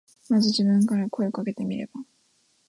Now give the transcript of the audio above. まず自分から声かけてみれば。